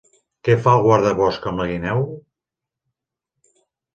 Què fa el guardabosc amb la guineu?